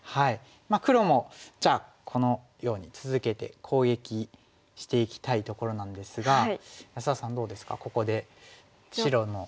黒もじゃあこのように続けて攻撃していきたいところなんですが安田さんどうですかここで白の。